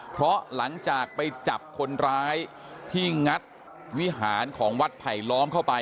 เพราะหลังจากไปจับคนร้ายที่งัดวิหารของวัดไผลล้อมเข้าไป